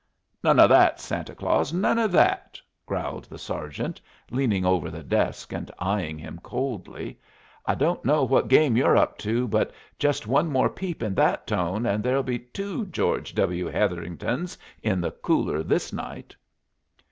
"None o' that, Santa Claus none o' that!" growled the sergeant, leaning over the desk and eying him coldly. "I don't know what game you're up to, but just one more peep in that tone and there'll be two George W. Hetheringtons in the cooler this night."